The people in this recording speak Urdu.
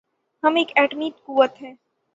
ہم ایک ایٹمی قوت ہیں۔